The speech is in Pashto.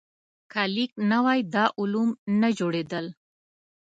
که لیک نه وای، دا علوم نه جوړېدل.